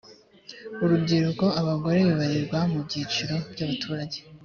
urubyiruko abagore bibarirwa mu byiciro by’ abaturage